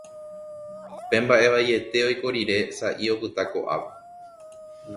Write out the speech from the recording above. pe mba'e vaiete oiko rire sa'i opyta ko'ápe